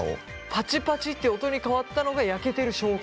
パチパチって音に変わったのが焼けてる証拠？